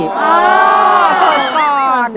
อ๋อเปิดก่อน